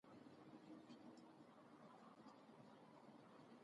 خو هغه ټولې دوړې به ئې پاڅولې ـ